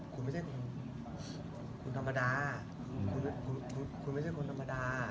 คุณมันไม่ใช่คนธรรมดา